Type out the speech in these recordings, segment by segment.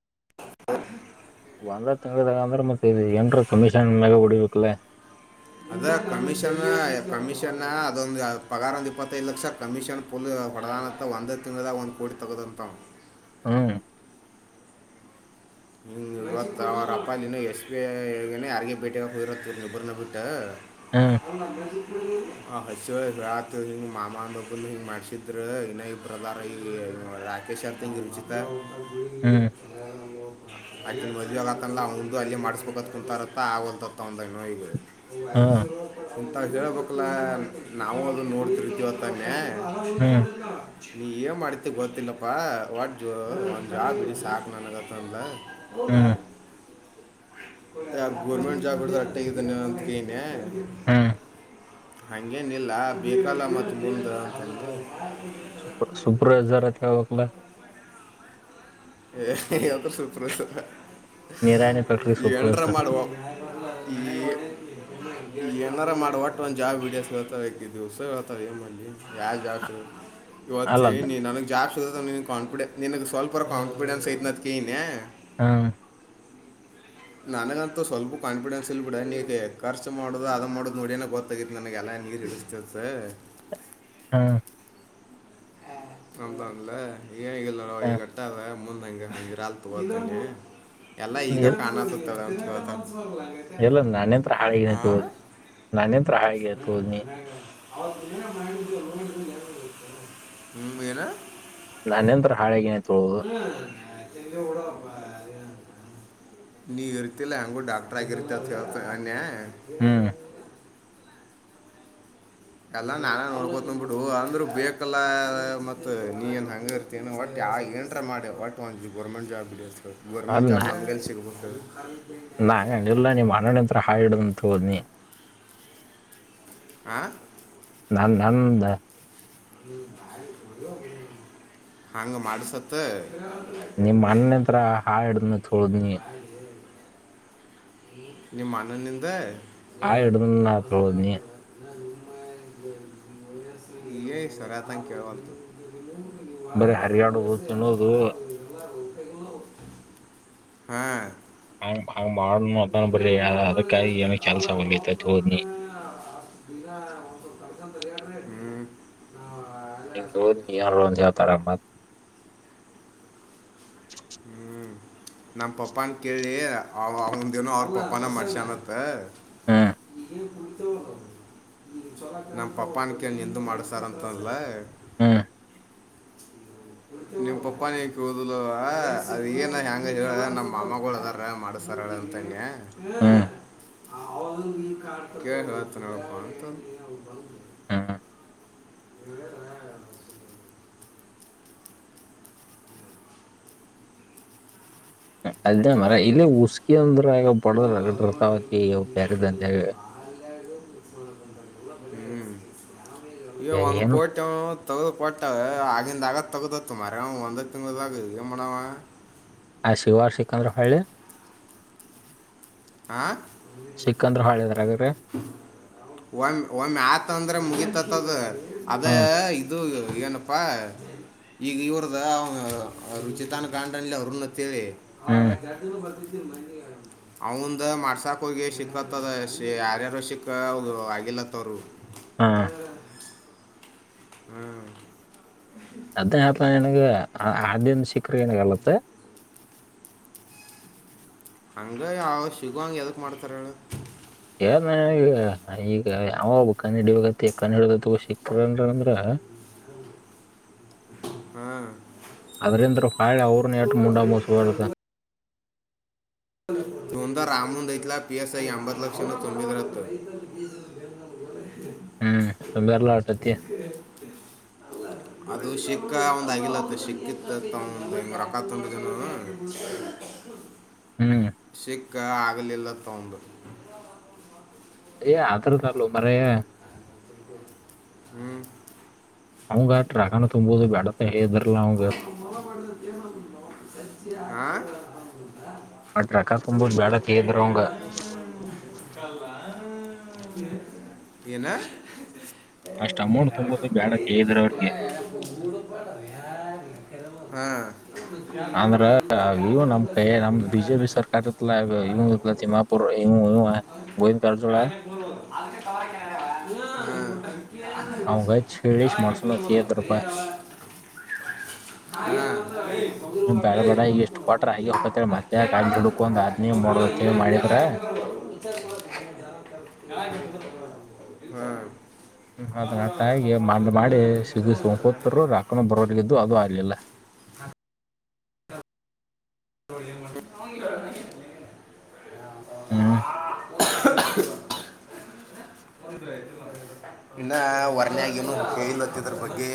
[unintelligible] ಒಂದ ತಿಂಗಳದಾಗ ಅಂದ್ರ ಮತ್ತೆ ಇ ಏನ್ರ ಕಮೀಷನ್ ಮ್ಯಾಗ ಹೊಡಿಬೇಕಕ್ಲ ಅದ ಕಮಿಷನ್ ಕಮಿಷನ್ ಅದೊಂದು ಪಗಾರ ಒಂದ್ ಇಪ್ಪತ್ತೈದು ಲಕ್ಷ ಕಮಿಷನ್ ಪ ಪ್ರಧಾನದಲ್ಲಿ ವಂದಕ್ಕದಾ ಒಂದು ಕೋಟಿ ತಗದುಂತ್ ಹುಂ ಹಂಗೆ ಇವತ್ತು ಅವ್ರಪ್ಪ ನೀನು ಎಸ್ ಬಿ ಐ ಯಾರಿಗೆ ಭೇಟಿ ಹೋಗಿರತ್ತ ಇಬ್ರನ್ನ ಬಿಟ್ಟು ಹ್ಮ್ [unintelligible] [unintelligible] ಆ ಹಚ್ಚ ಹೇಳಾತು ಹಿಂಗ ಮಾಮನ್ ಒಬ್ಬಂದ ಹಿಂಗ ಮಾಡಸಿದ್ ಇನ್ನ ಇಬ್ಬರು ಅದಾರ ಈ ಕೆಷರ್ ತಂಗಿ ರುಚಿತ ಹ್ಮ್ [unintelligible] ಅಲ್ಲಿ ಮದ್ವಿ ಆಗತ್ತಲ್ಲ ಅವ್ದು ಅಲ್ಲಿ ಮಾಡಿಸಬೇಕತ್ ಕುೂಂತಾರತ್ತ ಆಗಂತತ್ತ ಅವಂದು ಈಗ ಹ್ಮ್ ಇಂತ ಹಳ್ಬೇಕಲ್ಲ ನಾವು ಅದ ನೋಡ್ತಿರಿವ ಅನ್ನೆ ಹ್ಮ್ [unintelligible] ನೀ ಏನ್ ಮಾಡತಿ ಗೊತ್ತಿಲ್ಲಪ್ಪಾ ಒಟ್ ಜ ಒಂದ್ ಜಾಬ್ ಸಾಕ ನನಗತ್ತ ಅಂದಾ ಹೌದ ಹ್ಮ್ ಯ ಗೋರ್ಮೆಂಟ್ ಜಾಬ್ ಹಿಡಿದವರು ಅಟ್ಟೆ ಇದ್ದನ್ನ ಅಂತಕೆಳಿನ್ ಹ್ಮ್ ಹಂಗೇನಿಲ್ಲ ಬೇಕಲ್ಲ ಮತ್ತ ನಿಮ್ಮಂದ ಅಂತ ಸೂಪರೈಜರ ಅಂತ ಹೇಳಬೇಕಲ್ಲ ನೀ ಅತ್ರ ಸುಪ್ರರವೈಜರ್ ನೀರಾಣಿ ಫ್ಯಾಕ್ಟ್ರಿ ಈ ಎಟರ ಸೂಪರ್ವೈಸರ್ ಮಾಡುವ ಈ ಈ ಏನಾರ ಮಾಡ್ ಒಟ್ಟ ಒಂದ್ ಜಾಬ್ ಒಂದ ಹಿಡಿಯಂತ ಹೇಳತಾಳ ದಿವ್ಸ ಹೇಳತಾಳ ಆಕಿ ಏನ್ ಮಾಡ್ಲಿ ಜಾಬ್ ಇವತ್ತ ಅಲ್ಲದ ನೀ ನನಗೆ ಜಾಬ್ ಸಿಗತೈತಿ ನಿನಗೆ ಕಾನ್ಫಿಡೆನ್ ನಿನ್ಗ್ ಸ್ವಲ್ಪರ ಕಾನ್ಫಿಡೆನ್ಸ್ ಐತೈನ ಅಂತ ಕೇಳಿನ ಹಾ ನನಗಂತೂ ಸ್ವಲ್ಪ ಕಾನ್ಫಿಡೆನ್ಸ್ ಇಲ್ ಬಿಡ ನೀ ಖರ್ಚ್ ಮಾಡುದು ಅದು ಮಾಡುದು ನೋಡನ ಗೊತ್ತಾಗತಿ ನನಗೆಲ್ಲಾ [unintelligible] ಹಾ ಕದಾನ್ಲ ಏನ್ ಹ್ಮ್ ಈಗ ಅಟ್ಟ ಅದ ದಂಗ ಇರಲ್ ತಗೋ ಅನ್ನಿ ಎಲ್ಲಾ ಈಗ ಕಾಣತದ ಅಂತ ಹೇಳ್ತಾನ ಎಲ್ಲ ನಾನತ್ರ ಹಾಳಗನ ತ ಹೋದ್ನಿ ನಾನೇಂತ್ರ ಹಾಳಾಗಿನೈತಿ ಹೋದ್ನಿ [unintelligible] ಹ್ಮ್ ಏನ್ ನಾನಂತ್ರ ಹಾಳೆಗೆನ ಹ್ಮ [unintelligible] ನೀವ ಇರ್ತಿಲ್ಲ ಹಂಗು ಡಾಕ್ಟರ್ ಆಗಿರತಿ ಅನ್ಯ ಹ್ಮ್ ಅಲ್ಲಾ ನಾನೋಡ್ಗೊತಂದ್ ಬಿಡು ಅಂದ್ರೂ ಬೇಕಲ್ಲ ಮತ್ ನೀ ಏನ್ ಹಂಗ ಇರ್ತೀ ಒಟ್ಟ ಯ ಎನ್ ಡ್ರ ಮಾಡೆ ಒಟ್ ಒಂದು ಗೋರ್ಮೆಂಟ್ ಜಾಬ್ ಇ ಅಲ್ ಗೋರ್ಮೆಂಟ್ ಜಾಬ್ ನಾ ನಮ್ ಗೇಲಿಸಿಗಬೆಕು ನಾ ಇಲ್ಲ ನೀಮ್ಮ್ ಅಣನಂತ್ರ ಹಾಡುದಂತ ಹೋದ್ನಿ ಹಾಂ ನಂದ ನಂದು ಹಂಗ ಮಾಡಿಸತೆ ನಿಮ್ ಅಣ್ಣ ಹತ್ರ ಹಾರ್ಡ್ ನ ತುಳುದ್ನಿ. ನಿಮ್ಮ ಅಣ್ಣನಿಂದ. ಏ [unintelligible] ಹಾಳು ಹಿಡ್ದನ ಹೋದ್ನಿ ಯಾತ ಹಂಗ ಕೇಳವಾತ್. ಬರೀ ಹರಗ್ಯಾಡುದು ತಿನ್ನುದು. ಎಲ್ಲರೂ ಹಾ. [unintelligible] ಹಂಗ ಮಾಡುನು ಅನ್ ಇನ್ನು ಬರಿ ನಮ್ಮಪ್ಪನವ್ರಿಗೆ ಅದಕ್ಕಾಗಿ ಅಷ್ಟ ಏನ ಅಲ್ಲ ಕೆಲ್ಸ ನಿತೈತಿ ಹೋದ್ನಿ. ಇಗ ಒಂದ್ ಸ್ವಲ್ಪ. [unintelligible] ನಿಮ್ಮ ಅಷ್ಟು ದೋಸ್ತ್ ನೀಯ ರೋನಜಿ ಆತಾರಮನ್. ಹ್ಮ್ ನಮ್ಮ ಪಪ್ಪಾ ನ ಕೇಳಿ ಅವ ಅವನ್ದ ಏನೋ ಅವ್ರ ಪಪ್ಪಾನ ಮಾಡಸ್ಯನ ಅತ. ಹ್ಮ್ ನೀನ್ ಕುಳಿತು. ನಮ್ಮ ಪಪ್ಪನ ಕೈಲಿ ನಿಂದು ಮಾಡ್ಸ್ಯರ ಅಂತ ಅಂದಲ. ಹ್ಮ್ಮ್. ನಿಮ್ಮಪ್ಪ ಏನ ಕೇಳುವುದಿಲ್ಲ ಅಲ್ಲ. ಅಳ ಅದ ಏನ ಹೆಂಗ ಅರೆ ಹೇಳ ನಮ್ಮ ಮಾಮ್ಮಗಳು ಅದಾರ ಮಾಡಸ್ತಾರ ಅಳ ಅಂತನ್ಯ. ಹ. ಹ್ಮ್ ಕೇಳಿ ಹೇಳತನಳ ಪ್ಪಾ ಅಂತ ಅಂದ್ಲು. ಹ್ಮ್ ಏನ [unintelligible] ಅಲ್ದಾ ಮಾರಾಯ ಇಲ್ಲಿ ಉಸ್ಕಿಂದ ರಾಗ ಬಡದ್ರ ರಗಡ ಬರ್ತಾ ಅಂತಿ ಬ್ಯಾರೆ ದಂದ್ಯಾಗ. [inaudible] ಅಯ್ಯೋ ಒಂದ ಏನು ಕೋಟಿ ಆವ್ ಅಂತ. ತಗದ ಕೊಟ್ಟ ಆಗಿಂದಾಗ ತಗೆದಂತ ಮಾರಯಾ ಒಂದ ತಿಂಗಳದಾಗ ಏನ ಮಾಡವ. ಅದ ಸಿಗುವರ ಸಿಕ್ಕ ಅಂದ ಹೋಳ್ಳಿ. ಆ. ಸಿಕ್ಕಂದ್ರ ಹೊಳ್ಳಿದ್ರಾಗ್ರಿ ಒಮ್ಮಒಮ್ಮಿ ಆತ ಅಂದ್ರೆ ಮುಗಿತ ಅತ್. [unintelligible] ದ ಅದ ಹ್ಮ್ ಇದು. ಏನಪ್ಪಾ ಈಗ ಇವ್ರದ ಅವ ರುಚಿತನ ಗಂಡ ಅನಿಲ ಅರುಣ ಅಂತ ಹೇಳಿ. ಆ ಹ್ಮ್ [unintelligible] ಬರ್ತಿದ್ದಿಲ್ಲ ಮೊನ್ನಿ. ಅವಂದ ಮಾಡ್ಸಾಕ್ ಹೋಗಿ ಸಿಕ್ಕತ್ದ ಯಾರ್ಯಾರ ಸಿಕ್ಕ ಅವರದ ಆಗಿಲ್ಲತ್ತ ಅವರು. ಹಾ. ಹ್ಮ್. ಅದನ ಹೇಳ್ತೀನ್ಲಾ ನಿನಗ ಅದ ಹಾರ್ಡ್ ಡೀನ್ ಸಿಕ್ಕ್ರ ಏನಗಲತ್ತ. ಹಂಗ ಯಾವ ಸಿಗು ಹಂಗ ಯದಕ್ ಮಾಡ್ತಾರ ಹೇಳು. ಏನ ಮಾರಾಯ ಈಗ ಈಗ ಅವ ಒಬ್ಬ ಕಂಡ ಹಿಡಿಯಬೇಕಂತ ಹೇಳಿ ಕಂಡುಹಿಡಿದ ಅಂತ ತಗೋ ಸಿಕ್ರ [unintelligible] ಅಂದ್ರ. ಹಾ. ಅದರಿಂದ ಹೊಳ್ಳಿ ಅವ್ರನ ಎಟ್ಟ ಮುಂಡ ಮುಚ್ಚಬಾರದ. ಇವಂದ ರಾಮುಂದ ಆಯ್ತಿಲಾ ಪಿಎಸ್ಐ ಎಂಬತ ಲಕ್ಷ ಏನೋ ತುಂಬಿರತ್ ಅತ. [inaudible] ಹ್ಮ್ ಬೆರ್ಲಾಟತಿ ಅದು ಶೀ ಅದಕ ಅವನದ ಆಗಿಲತ್ ಸಿಕ್ಕಿತ್ತತ್ ಒಂದ ಇಟ್ಟ ರೊಕ್ಕ ತುಂಬಿದ ಅಂದ್ರುನು [inaudible] ಸಿಕ್ಕ ಆಗ್ಲಿಲ್ಲ ಅವಂದು. ಏ ಆತರದಲ್ಲೊ ಮಾರಾಯ. ಹ್ಮ್. ಅವಂಗ ಅಷ್ಟ ರಾಗನ ತುಂಬೋುದು ಬೇಡತ್ತ ಹೇಳಿದ್ರ. ಅವಂಗ [unintelligible] ಕ್ಲಿಯರ್ ಆಗುದಿಲ್ಲ [unintelligible] ಹಾ. [unintelligible] ಆ ಟ್ರಕ ತುಂಬೋದು ಬ್ಯಾಡತ್ ಹೇಳಿದ್ರ ಬನ್ಯಾ ಅವಂಗ ಕಲ್ಲಾ. [unintelligible] ಏನ. ಅಷ್ಟ್ ಅಮೌಂಟ್ ತುಂಬೋದು ಬ್ಯಾಡತ್ ಹೇಳಿದ್ರ ಅವ್ರಿಗೆ [unintelligible] ಮೂ [unintelligible] ಹಾ. ಅಂದ್ರ ಎಂತ ಇವು ನಮ್ ಕೈ ನಮ್ ಕ ಬಿಜೆಪಿ ಸರ್ಕಾರ ಇತ್ತಲ್ಲ [unintelligible] ಇವ್ ಇತ್ಲ ತಿಮ್ಮಾಪುರ್ ಇವ್ ಕೆಳಕ್ಕೆ ಇವ ಗೋವಿಂದ ಕಾರಜೋಳ ತ [unintelligible] ಹಾ ಕೆಳಗ ಅವಂಗ ಹಚ್ಚಿ ಹೇಳಿಸ್ ಹಾಕ್ಕೆಡ ಮಾಡ್ಸೋಣತ್ ಹೇಳಿದ್ರಪ್ಪ ಕುಂದಾರಬಹುದು [unintelligible] [inaudible] ಅಣ್ಣ ಬೇಡ ಬೇಡ ಈಗ ಇಷ್ಟ್ ಕೊಟ್ರ ಆಗಿ ಹೋಗತ್ತೇಳಿ ಮತ್ತೆ ಏನ್ ಯಾಕೆ ಅಲ್ಲಿ ಮಾಡದ ಹಿಡ್ಕೊಂಡ್ ಅದ್ನೇ ಮಾಡೋದತ್ತೇಳಿ ಮಾಡಿದ್ರ [unintelligible] [inaudible] ಹ್ಮ ಹ್ಮ್ ಅದ ನಟಾಗಿ ಮಂಡ ಮಾಡಿ ಬರ್ತಿಲ್ಲ ಸಿಗಸಕೂತರು ರಕ್ಕನು ಬರ್ ಗಿದ್ದು ಅದು ಆಗಲಿಲ್ಲ [inaudible] ಹಾ ಹ್ಮ್ [inaudible] [inaudible] ಒಂದರ ಆಯ ಇನ್ನ ವರ್ನ್ಯಗೇನು ಕೇಳಿಲತ್ತ ಇದ್ರ ಬಗ್ಗೆ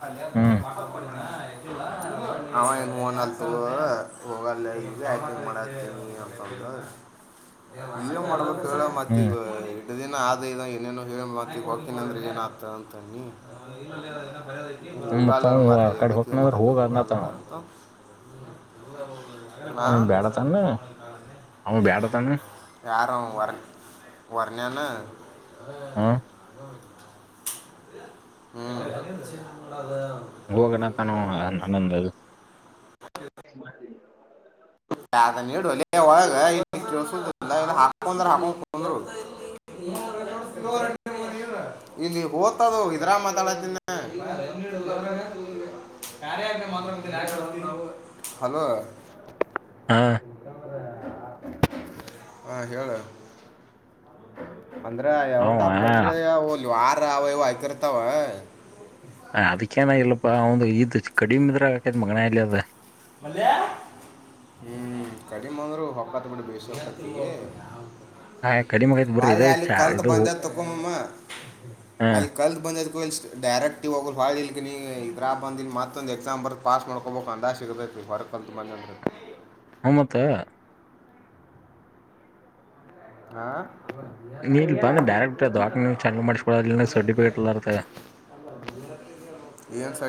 ಪಯ ಹ್ಮ್ [unintelligible] [inaudible] ಅವ ಈಗ ಮೋನಲ್ ತ ಹೋಗಲ್ಲ ಹಿ ಹೈಕಿಂಗ್ ಮಾಡತೀನಿ ಅಂತಂದು ಜೀವ ಮಾಡ್ಬೇಕ ಹೇಳ ಮತ್ತ ಹ್ಮ್ ಈಗ ಇದಿನ ಆದ ಇದ ಏನೇನು ಹೇಳ ಮಾತ ಹೊಕ್ಕಿನಂದ್ರೆ ಏನು ಆಗ್ತದ ಅಂತನ್ನಿ ಹ್ಮ್ ಮತ್ತ ಹುಗಾಲ ಅವ ಆ ಮಾರಯ ಕಡೆ ಎದಕ್ಕೆ ಇದ ಹೋಗನ ಅಂದ್ರ ಮಾಡಕ್ಕೆ ಹೋಗ ಹುಗಾಲ ಅನತಾನ ಹೇಳ್ [unintelligible] ಹಾ ಅವ [inaudible] ಬ್ಯಾಡತಾನ ಅವ ಬ್ಯಾಡತಾನ ಯಾರು ಆವಾ ವರ ವರಣಾನ ಹಾ [unintelligible] ಹ್ಮ್ ಹೋಗೋ ಅಣತಾನ ಆನಂದ ಅದು ಹ [unintelligible] ಅದ ನೀಡೋ ವಲ್ಲ ಒಳಗ ಇ ಕೆಳಸ ಇಲ್ಲ ಹಾಕೊಂದರ ಹಾಕೊಂಡು ಕುಂದರ [inaudible] [unintelligible] ಇಲ್ಲಿ ಓದ್ತದು ಇದ್ರಾಗ ಮಾತಾಡಾತ್ದೆನಿ [unintelligible] ಹಲೋ ಹಾ ಹಾ ಹೇಳ್ [unintelligible] [inaudible] ಅಂದ್ರ ಅವ ಔಟ್ ಆಫ್ ಕಂಟ್ರಿಲ್ ವಾರ ಅವ ಇವ ಹಾಕಿರ್ತಾವ ಹ ಅದಕ್ಕೇಏನ ಇಲ್ಲಪ್ಪಾ ಅವಂದ ಇದ್ ಕಡಿಮೆ ಇದ್ರಾಗ ಆಕೈತ್ ಮಗನ ಅಲ್ಲಿ ಅದ ಮಲ್ಯ ಹ್ಮ್ ಕಡಿಮೆ ಅಂದ್ರು ಹೊಕ್ಕತ್ ಬಿಡಿ ಬೇಸಿ ಹೊಕ್ಕತ ಹಾ ಕಡಿಮೆ ಆಗೈತ್ ಅ ಬರ್ರಿ ಇದ ಅಲ್ಲಿ ಚಾ ಕಲ್ತ್ ಇದು ಬಂದ ಹ ತಕೊಮ್ಮ ಅಲ್ಲಿ ಕಲ್ತ್ ಬಂದ ಡೈರೆಕ್ಟ ಹೊಳ ಇಲ್ ನೀ ಇದ್ರ ಬಂದಿ ಮತ್ತೊಂದು ಎಕ್ಸಾಮ್ ಬರ್ದ ಪಾಸ್ ಮಾಡಕೋಬೇಕು ಅಂದಗ ಸಿಗತ್ತತಿ ಮತ್ತು ಹರಕತು ಮಾನಂ ಹ ಮತ್ತೆ ಹಾ ನೀ ಇಲ್ಲೆ ಬಂದ ಡೈರೆಕ್ಟ್ ದವಾಖಾನೆ ನೀ ಚೆಕ್ ಮಾಡ್ಸ್ಕೊ ಸರ್ಟಿಫಿಕೇಟ್ ಎಲ್ಲರ ತಗೋ ಏನು ಸ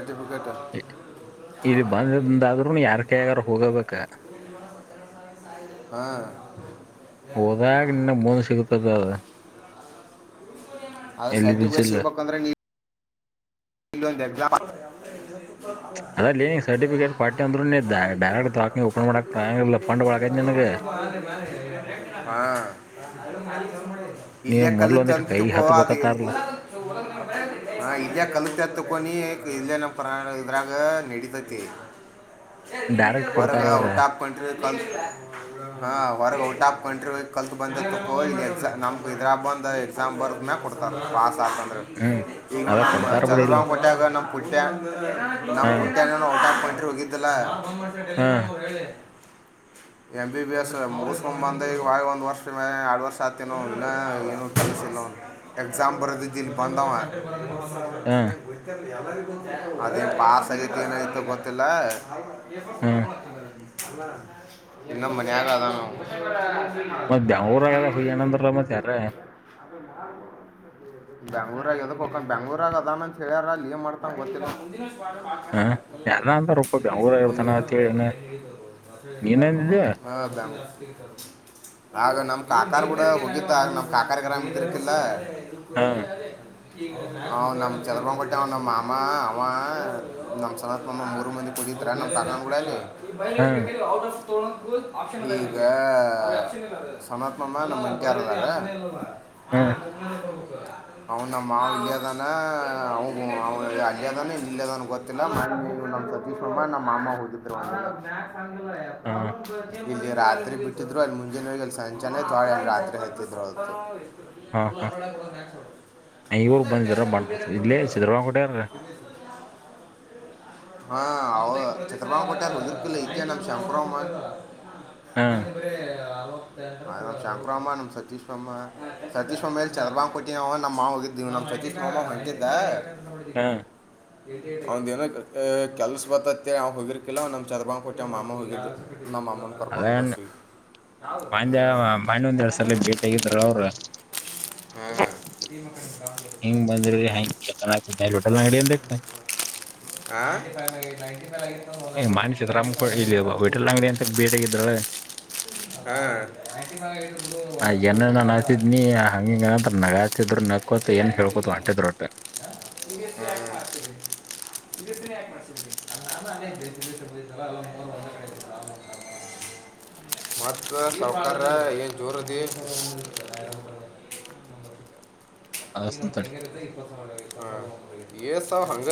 ಇಲ್ಲಿ ಬಂದಂದಾದ್ರರುನು ಯಾರ್ಕಗಾರ ಹೋಗಬೇಕ [unintelligible] ಹಾ ಇನ್ನ ಮಂದ ಸಿಗತದ ಅದು ಸರ್ಟಿಫಿಕೇಟ್ ಎಲ್ಲಿಬಿಸಿಲ್ಲ ಇಲ್ಲೊಂದ್ ಎಕ್ಸಾಮ್ ಅದಲ್ಲಿ ಈಗಲ ಸರ್ಟಿಫಿಕೇಟ್ ಕೊಟ್ಟೆ ಅಂದ್ರೂ ಎ ಡೈರೆಕ್ಟ್ ದವಾಖಾನಿ ಓಪನ್ ತಿ ಮಾಡಕ್ ಆಗಂಗಿಲ್ಲ ಪಂಡ್ ಒಳಗ ನಿನಗ [unintelligible] ಹಾ ನೀವ್ ಇಲ್ಲಯ ಮೊದ್ಲ ಕಲತೆ ಒಂದಿಟ್ ಅಂತ ಕೈ ತಿಳ್ಕೊ [unintelligible] ಹ ಹತ್ಬೇಕತ್ತಾರಲ್ಲ ಹ ಇಲ್ಲೇ ಕಲಿತ ಕೊನ ಇಲ್ಲ ನ ಪಾಣರಾಗ ನಡಿತ ಡೈರೆಕ್ಟ್ ವರ್ಗ ಕೊಡ್ತಾರ ಅವ್ರ ಔಟ್ ಆಫ್ ಕಂಟ್ರಿ ಕ ಹ ವರ್ಗ ಔಟ್ ಆಫ್ ಕಂಟ್ರಿ ಕಲ್ತ್ ಬಂದ ನಮ್ ಇದ್ರಾ ಬಂದ್ ಎಕ್ಸಾಮ್ ಬರ್ನ ಕೊಡ್ತಾರೆ ಸ್ವಾತಂತ್ರ ಹ್ಮ್ ಈ ಅದ ಕೊಡ್ತಾರ [unintelligible] ಬಿಡಿ ಇಲ್ಲ ಚಂದ್ರಂಗ ಹೊಟ್ಟಾಗ ನಮ್ಮ ಪುಟ್ಟ್ಯ ನಮ್ಮ ಹಾ ಪುಟ್ಟ್ಯಾಣನು ಹೊಟಾ ಕೊೊಂಡ್ರಿ ಹೋಗಿದ್ದಲ್ಲ ಕ ಮಾಡ್ ಹಾ ಟೆಲಿಗ್ರಾಮ್ ಅವ್ರು ಹೇಳಿ [unintelligible] ಎಂ ಬಿ ಎಸ್ ಮುಗಸ್ಕ್ ಬಂದ ಈ ಒಂದ್ ವರ್ಷ ಆರಡ್ ವರ್ಷ ಆಗ್ತಿನೋ ಇಲ್ಲ ಏನು ಎಕ್ಸಾಮ ಬದು ಜ ಬಧ ಹಾ ಅದೇನ್ ಪಸ್ ಆಗತಿ ಏನಯ್ತ ಗೊತ್ತಿಲ್ಲ ಹಾ ಇನ್ನ ಮನ್ನಯಾಗಾದಾನ ಗೊತ್ತರ್ತ ಮತ್ ಬೆಂಗ್ಳೂರಾಗದ ಹುಯ್ಯಣ ಅಂದ್ರಲ್ಲ ಮತ್ ಯಾರ ಬೆಂಗ್ಳೂರ ಆಗ ಅದ ಪಕ್ಕ ಬೆಂಗ್ಳೂರ ಆಗ ಅದ ಹೇಳ್ಯಾರ ಅಲ್ಲಿ ಏನ್ ಮಾಡ್ತಾಂಗಗೆ ಗೊತ್ತಿಲ್ಲ [unintelligible] ಹ ಯಾರ ಅಂತಾರಪ್ಪ ಬೆಂಗ್ಳೂರಾಗ ಇರ್ತಾನ ಅಂತೇಳಿನ ನ್ ನೀನಂದಿದ್ದೆ ಹಾದಾಮ ಆಗ ನಮ್ ಕಾಕಾರ್ ಕೂಡ ಹೋಗಿತ್ತ ಆಗ ನಮ್ ಕಾಕಾರ್ ಗರಾಮ್ ಇದರ್ಕಿಲ್ಲ ಹಾ [unintelligible] ಚಲ್ಮಂಗ ಕೊಟ್ಟೆವ ನಮ್ಮ ಮಾಮ ಅವ ನಮ್ಮ ಸನತ್ ನಮ್ಮ ಮೂರು ಮಂದಿ ಕುಡಿತ್ರ ನಮ್ಮ ತಗನ್ಳಲ್ಲಿ ಈ ಹಾ ಮೈಲೆಜಗೆೇಕಿ ಆೌಟ್ ಆಫ್ ಈಗ ಸನಾತ್ನಮ್ಮ ನಮ್ಮಂಟಾರದಾರ ಹಾ ಅವೌನಮ್ಮ ದಾನೆ ಅವ ಅಗ್ಯದಾನೆ ನಿಲ್ಲ ಅದನ ಗೊತ್ತಿಲ್ಲ ಮ ನಮ್ಮ ಸತೀಶ್ ಪ್ರಬ ನಮ್ಮ ಮಾಮ್ಮ ಹೋಗಿದ್ರು ಹಾ [unintelligible] ಇಲ್ಲಿ ರಾತ್ರಿ ಬಿಟ್ಟಿದ್ರು ಅಲ್ಲಿ ಮುಂಜಿನ ಅಲ್ಲಿ ಸಂಚಾನೇ ತಳ ಅಲ್ಲಿ ರಾತ್ರಿ ಹತಿದ್ರು ಹಾ ಹಾ ಇವರು ಬಂದಿದ್ರ ಬಂ ಇಲ್ಲೇ ಚತ್ರ್ರಂಗ ಕಡಾರ [unintelligible] ಹಾ ಅವ ಚಿತ್ರ ಭಾವ ಕೊಟ್ಟ ಲ್ಲ ನ ಶಂಪರ ನ ಬ ಹಾ [unintelligible] ನಮ್ ಶಂಕುರಮ್ಮ ನಮ್ ಸತೀಶ್ಮ್ಮ ಸತೀಶ್ಮ್ಮ ಎಲ್ಲಿ ಚಂದ್ರ ಬಾ್ ಕೊಟ್ಟನ ನಮ್ಮ್ ಮಾ ಹೋಗಿದ್ದಿವವ ನಮ್ ಸತೀಶ ಮಾಮ್ಮ ಹೊಂತಿದ್ದ ಹಾ ಅವಂದ ಏನ ಕೆಲ್ಸ ಬತ್ತತಿ ಅವ್ ಹೋಗಿರ್ಕಿಲ್ಲ ನಮ್ ಚದಬಾಂಗ ಕೊಟ್ಟಿ ನಮ್ಮ ಮಾಮ ಹೋಗಿರ್ ನಮಾಮನ್ಕರ್ಕೊಂಡಂದು ಬಸಿ ಮಾನ್ ಮಾನ್ ಒಂದ್ ಎರಡ್ ಸಲ ಭೇಟಿಗಿದ್ರ ಅವ್ರ ಹಾ ಹಿಂಗ್ ಬಂದ್ರಿ ಹಂಗ ಹ ಹೋಟೆಲ್ ಅಂಗಡಿ ಅಂತಕ್ ವಲಟು ಐಡಟ ಕಡ್ ಮಾನ್ಯ ಸಿದ್ದರಾಮ ಇಲ್ಲಿ ಹೋಟೆಲ್ ಮಾಡ ಅಂಗಡಿ ಅಂತ ಭೇಟಿಗಿದ್ರಳ ಪರ್ ಆ ಹ ಏನ ನಾನ್ [unintelligible] ನಕ್ಕತ್ ಏನ್ ಹ ಹೇಳಬೋದು ಅಂಟ [inaudible] ಅ [unintelligible] ಮತ್ತೆ ಸಾವಕಾರ ಏನ್ ಜೋರಧೀ [inaudible] ಅಸ್ತಡಿ [unintelligible] ಹ ಸ ಹಂಗ